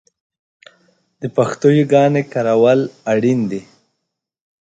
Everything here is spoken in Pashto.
د پښتو یاګانې کارول اړین دي